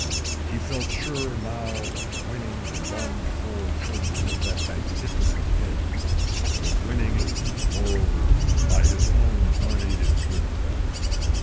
He felt sure now of winning the longed for trophy of that magnificent head, and of winning it, moreover, by his own unaided woodcraft.